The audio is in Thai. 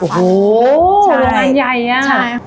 โอ้โหโรงงานใหญ่อ่ะ